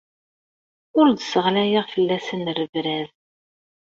Ur d-sseɣlayeɣ fell-asen rrebrab.